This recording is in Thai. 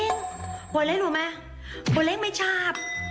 พวยเล้งไม่ชาบ